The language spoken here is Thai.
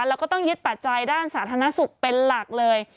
แล้วก็ต้องยึดปัจจัยด้านสาธารณสุขเป็นหลักเลย